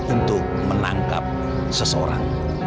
untuk menangkap seseorang